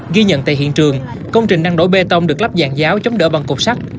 ghi nhận tại hiện trường công trình năng đổ bê tông được lắp dàn giáo chống đỡ bằng cục sắt